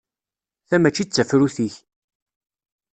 Ta mačči d tafrut-ik.